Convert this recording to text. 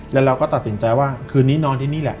แล้วเราก็ตัดสินใจว่าคืนนี้นอนที่นี่แหละ